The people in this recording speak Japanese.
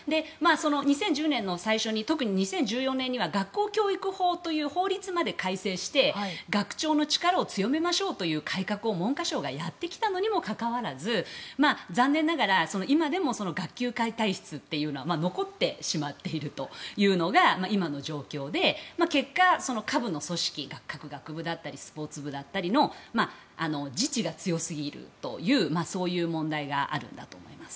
２０１０年の最初に特に２０１４年には学校教育法という法律まで改正して学長の力を強めましょうという改革を文科省がやってきたにもかかわらず残念ながら今でも学級会体質が残ってしまっているというのが今の状況で結果、下部の組織、各学部やスポーツ部だったりの自治が強すぎるという問題があると思います。